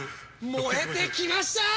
燃えてきました！